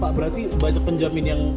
pak berarti banyak penjamin yang